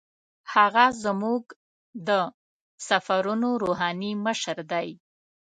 هغه زموږ د سفرونو روحاني مشر دی.